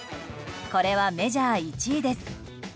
これはメジャー１位です。